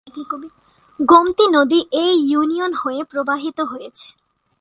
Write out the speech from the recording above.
গোমতী নদী এ ইউনিয়ন হয়ে প্রবাহিত হয়েছে।